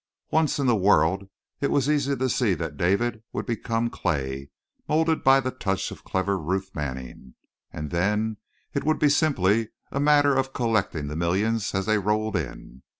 Once in the world it was easy to see that David would become clay, molded by the touch of clever Ruth Manning, and then it would be simply a matter of collecting the millions as they rolled in.